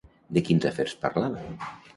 De quins afers parlava?